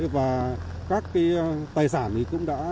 và các tài sản cũng đã